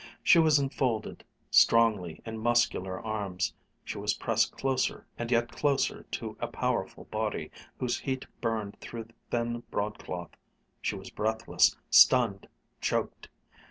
She was enfolded strongly in muscular arms, she was pressed closer and yet closer to a powerful body, whose heat burned through the thin broadcloth, she was breathless, stunned, choked.